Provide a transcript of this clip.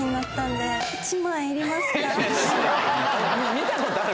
見たことある？